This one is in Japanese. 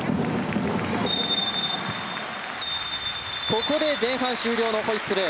ここで前半終了のホイッスル。